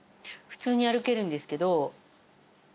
普通に歩けるんですけど。